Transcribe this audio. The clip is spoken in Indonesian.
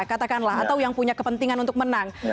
katakanlah atau yang punya kepentingan untuk menang